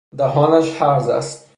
دهانش هرز است.